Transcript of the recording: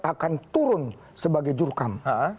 akan turun sebagai jurkam